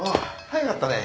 早かったね